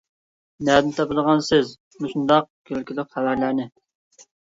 نەدىن تاپىدىغانسىز مۇشۇنداق كۈلكىلىك خەۋەرلەرنى؟